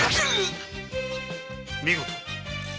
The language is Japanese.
見事。